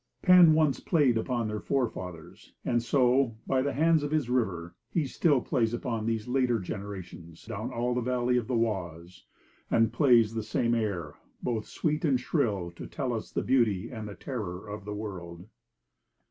Pan once played upon their forefathers; and so, by the hands of his river, he still plays upon these later generations down all the valley of the Oise; and plays the same air, both sweet and shrill, to tell us of the beauty and the terror of the world.